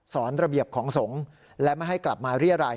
ระเบียบของสงฆ์และไม่ให้กลับมาเรียราย